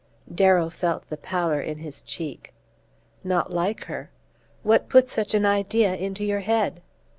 Darrow felt the pallour in his cheek. "Not like her? What put such an idea into your head?"